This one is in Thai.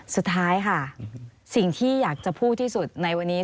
สุดท้ายค่ะสิ่งที่อยากจะพูดที่สุดในวันนี้